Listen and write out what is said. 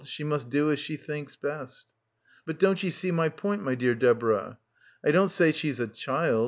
She must do as she thinks best." "But don't ye see my point, my dear Deborah? I don't, say she's a child.